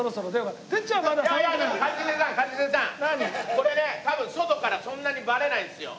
これね多分外からそんなにバレないんですよ。